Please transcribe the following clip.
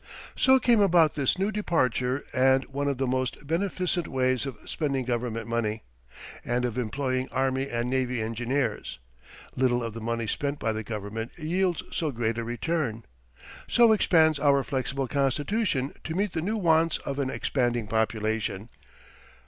So came about this new departure and one of the most beneficent ways of spending government money, and of employing army and navy engineers. Little of the money spent by the Government yields so great a return. So expands our flexible constitution to meet the new wants of an expanding population.